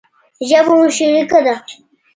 ژبه مو شريکه ده.